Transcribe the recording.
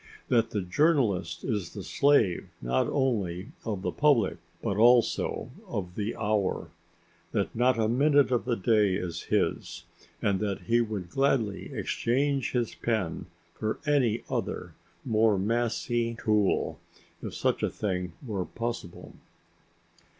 That the journalist is the slave not only of the public but also of the hour. That not a minute of the day is his, and that he would gladly exchange his pen for any other, more massy tool, if such a thing were possible.